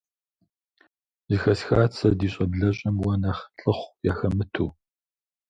Зыхэсхат сэ ди щӀэблэщӀэм уэ нэхъ лӀыхъу яхэмыту.